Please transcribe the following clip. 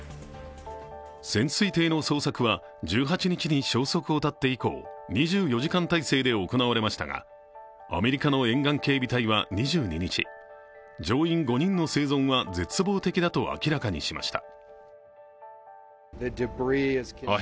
潜水艇の捜索は１８日に消息を絶って以降、２４時間態勢で行われましたが、アメリカの沿岸警備隊は２２日、乗員５人の生存は絶望的だと明らかにしました。